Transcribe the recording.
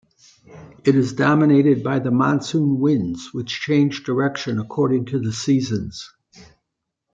It is dominated by the monsoon winds which change direction according to the seasons.